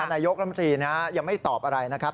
นายกรมตรียังไม่ตอบอะไรนะครับ